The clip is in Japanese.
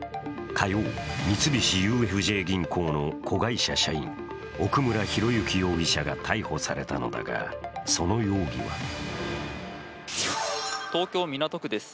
火曜、三菱ＵＦＪ銀行の子会社社員、奥村啓志容疑者が逮捕されたのだが、その容疑は東京・港区です。